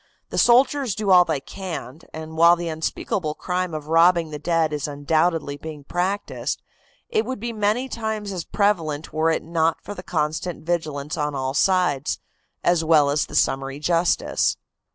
The soldiers do all they can, and while the unspeakable crime of robbing the dead is undoubtedly being practiced, it would be many times as prevalent were it not for the constant vigilance on all sides, as well as the summary justice."